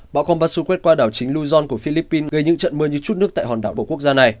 bão kombasu quét qua đảo chính luzon của philippines gây những trận mưa như chút nước tại hòn đảo bộ quốc gia này